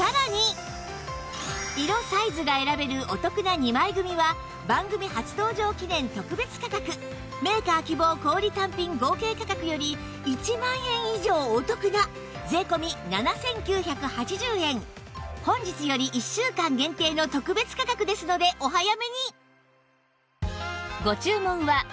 色サイズが選べるお得な２枚組は番組初登場記念特別価格メーカー希望小売単品合計価格より１万円以上お得な税込７９８０円本日より１週間限定の特別価格ですのでお早めに